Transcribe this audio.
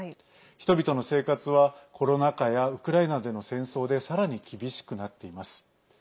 人々の生活はコロナ禍やウクライナでの戦争でさらに厳しくなっています。